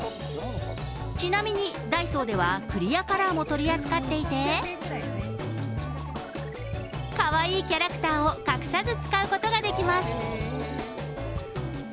ちなみにダイソーでは、クリアカラーも取り扱っていて、かわいいキャラクターを隠さず使うことができます。